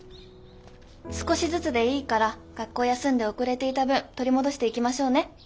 少しずつでいいから学校休んで遅れていた分取り戻していきましょうね。